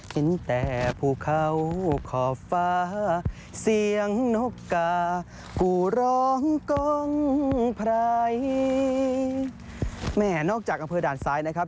แหมนอกจากอำเภอด่านซ้ายนะครับ